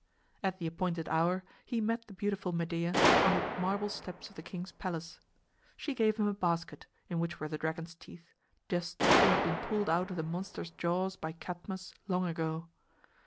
At the appointed hour he met the beautiful Medea on the marble steps of the king's palace. She gave him a basket, in which were the dragon's teeth, just as they had been pulled out of the monster's jaws by Cadmus long ago.